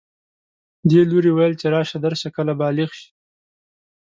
دې لوري ویل چې راشه درشه کله بالغ شي